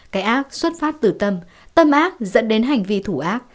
cái ác xuất phát từ tâm tâm áp dẫn đến hành vi thủ ác